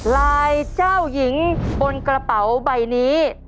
ลายเจ้าหญิงบนกระเป๋าใบนี้